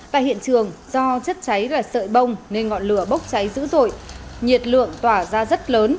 tại hiện trường do chất cháy là sợi bông nên ngọn lửa bốc cháy dữ dội nhiệt lượng tỏa ra rất lớn